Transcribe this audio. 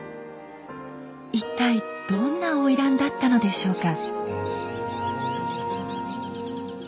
一体どんな花魁だったのでしょうか？